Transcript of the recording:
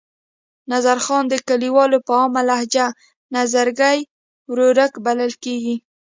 نظرخان د کلیوالو په عامه لهجه نظرګي ورورک بلل کېږي.